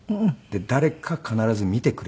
誰か必ず見てくれている。